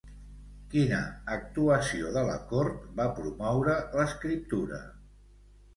Quina actuació de la cort va promoure l'escriptura?